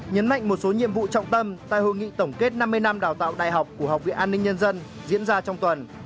nhấn mạnh một số nhiệm vụ trọng tâm tại hội nghị tổng kết năm mươi năm đào tạo đại học của học viện an ninh nhân dân diễn ra trong tuần